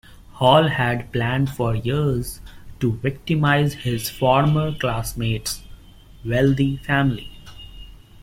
Hall had planned for years to victimize his former classmate's wealthy family.